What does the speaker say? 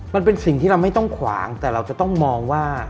มันเป็นสิ่งที่เราไม่ต้องขวางแต่เราจะต้องมองว่า